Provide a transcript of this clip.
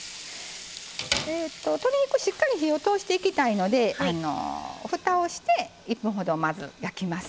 鶏肉しっかり火を通していきたいのでふたをして１分ほどまず焼きます。